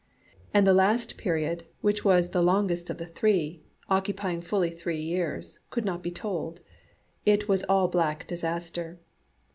And the last period, which was the longest of the three, occupying fully three years, could not be told. It was all black disaster.